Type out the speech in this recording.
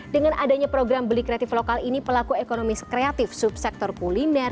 dengan adanya program beli kreatif lokal ini pelaku ekonomi kreatif subsektor kuliner